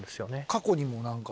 過去にも何か。